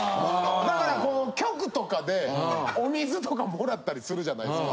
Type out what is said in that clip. だから局とかでお水とかもらったりするじゃないですか。